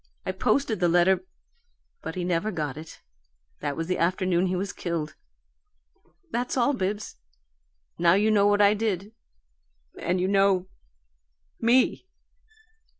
I posted the letter, but he never got it. That was the afternoon he was killed. That's all, Bibbs. Now you know what I did and you know ME!"